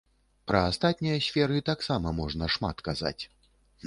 Пра астатнія сферы таксама можна шмат казаць.